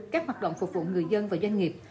các hoạt động phục vụ người dân và doanh nghiệp